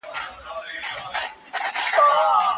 هغه کلتور چي د کار ملاتړ کوي، بايد ترويج سي.